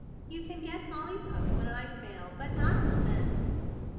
You can get Molly Poke when I fail, but not till 9 then.